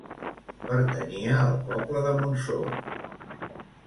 Pertanyia al poble de Montsor.